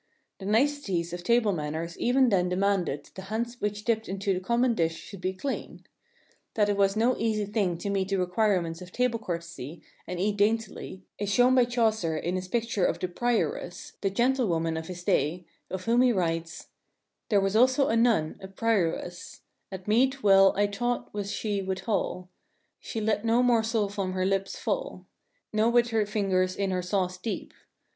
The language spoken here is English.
The niceties of table manners even then de manded that the hands which dipped into the common [9J common dish should be clean. That it was no easy thing to meet the requirements of table courtesy and eat daintily is shown by Chaucer in his picture of the Prioress, the gentlewoman of his day, of whom he writes: "Ther was also a Nonne, a Prioresse, "At mete wel i taught was sche withalle; "Sche leet no morsel from hire lippes falle, "Ne wette hire fyngres in hire sauce deepe.